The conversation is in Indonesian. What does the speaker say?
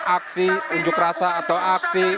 aksi unjuk rasa atau aksi